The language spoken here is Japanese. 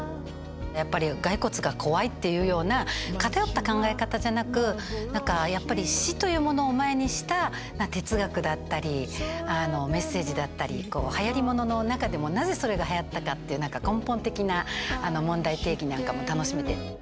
やっぱり骸骨が怖いっていうような偏った考え方じゃなく何かやっぱり死というものを前にした哲学だったりメッセージだったりはやり物の中でもなぜそれがはやったかっていう何か根本的な問題提起なんかも楽しめて。